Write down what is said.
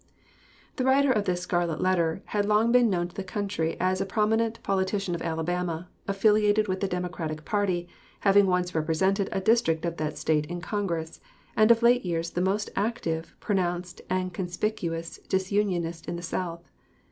The writer of this "Scarlet Letter" had long been known to the country as a prominent politician of Alabama, affiliated with the Democratic party, having once represented a district of that State in Congress, and of late years the most active, pronounced, and conspicuous disunionist in the South.